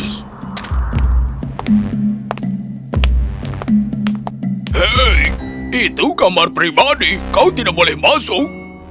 hei itu kamar pribadi kau tidak boleh masuk